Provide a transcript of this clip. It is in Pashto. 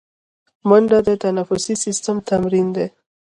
منډه د تنفسي سیستم تمرین دی